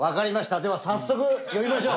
では早速呼びましょう！